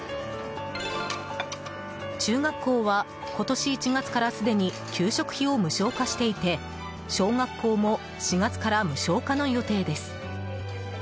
中学校は、今年１月からすでに給食費を無償化していて小学校も４月から無償化の予定です。